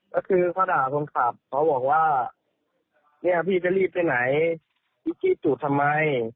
ก็คือเขาด่าคนขับเขาบอกว่าเนี่ยพี่จะรีบไปไหนพี่กี้จุดทำไม